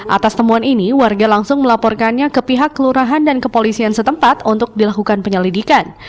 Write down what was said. atas temuan ini warga langsung melaporkannya ke pihak kelurahan dan kepolisian setempat untuk dilakukan penyelidikan